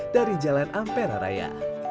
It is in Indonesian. dari jalan ampera raya